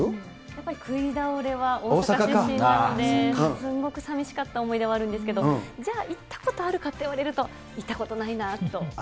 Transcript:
やっぱりくいだおれは、大阪出身なので、すんごくさみしかった思い出はあるんですけど、じゃあ、行ったことあるかって言われると、行ったことないなと。